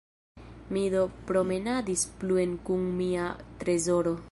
Mi do promenadis pluen kun mia trezoro.